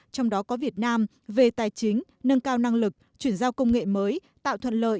trong đó có việt nam về tài chính nâng cao năng lực chuyển giao công nghệ mới tạo thuận lợi